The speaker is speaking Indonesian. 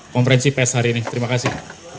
konferensi pes hari ini terima kasih